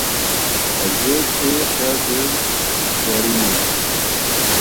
Ezê pê xwe di xwerî nim